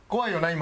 今。